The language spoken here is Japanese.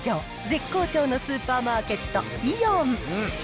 絶好調のスーパーマーケット、イオン。